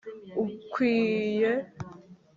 ukwiye